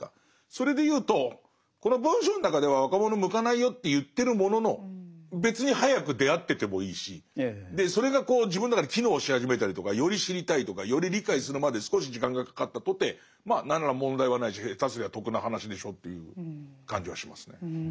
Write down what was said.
それで言うとこの文章の中では若者に向かないよって言ってるものの別に早く出会っててもいいしそれが自分の中で機能し始めたりとかより知りたいとかより理解するまで少し時間がかかったとてまあ何ら問題はないし下手すりゃ得な話でしょという感じはしますね。